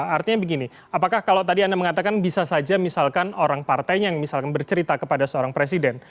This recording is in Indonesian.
artinya begini apakah kalau tadi anda mengatakan bisa saja misalkan orang partainya yang misalkan bercerita kepada seorang presiden